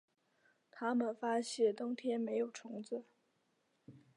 他们发现冬天没有虫子